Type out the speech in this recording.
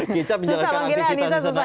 susah banget kira anissa susah ya